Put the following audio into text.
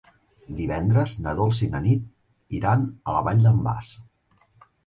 Divendres na Dolça i na Nit iran a la Vall d'en Bas.